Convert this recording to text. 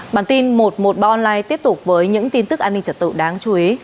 bản tin một trăm một mươi ba online tiếp tục với những tin tức an ninh trật tự đáng chú ý